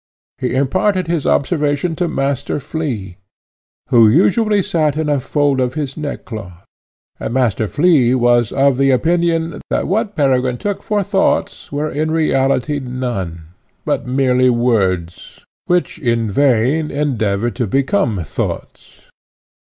He imparted his observation to Master Flea, who usually sate in a fold of his neckcloth, and Master Flea was of opinion, that what Peregrine took for thoughts were in reality none, but merely words, which in vain endeavoured to become thoughts.